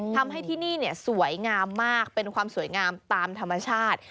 ที่นี่สวยงามมากเป็นความสวยงามตามธรรมชาติ